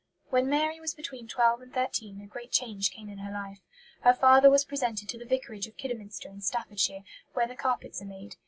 When Mary was between twelve and thirteen a great change came in her life. Her father was presented to the vicarage of Kidderminster in Staffordshire, where the carpets are made.